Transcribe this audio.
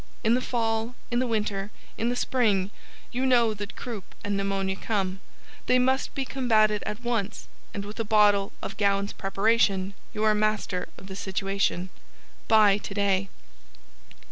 In the Fall, in the Winter, in the Spring, you know that Croup and Pneumonia come, they must be combated at once and with a bottle of Gowans Preparation you are master of the situation. Buy today!